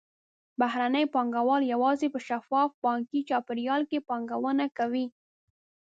بهرني پانګهوال یوازې په شفاف بانکي چاپېریال کې پانګونه کوي.